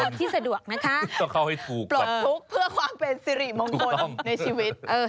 บรรถุกเพื่อความเป็นสิริมงคลในชีวิต